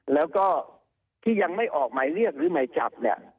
แล้วก็ที่ยังไม่ออกหมายเรียกหรือหมายจับเนี่ย